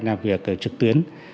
làm việc trực tuyến